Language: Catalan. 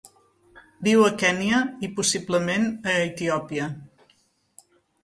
Viu a Kenya i possiblement a Etiòpia.